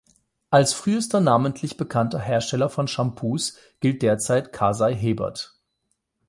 Als frühester namentlich bekannter Hersteller von Shampoos gilt derzeit Kasey Hebert.